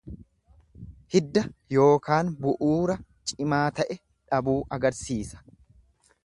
Hidda yookaan bu'uura cimaa ta'e dhabuu agarsiisa.